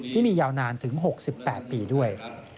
ที่มียาวนานถึง๖๘ปีด้วย